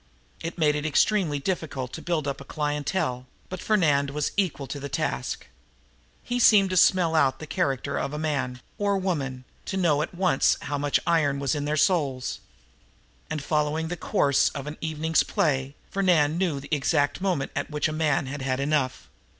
It made it extremely difficult to build up a clientele, but Fernand was equal to the task. He seemed to smell out the character of a man or woman, to know at once how much iron was in their souls. And, following the course of an evening's play, Fernand knew the exact moment at which a man had had enough.